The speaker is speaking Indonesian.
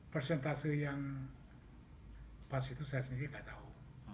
persentase yang pas itu saya sendiri nggak tahu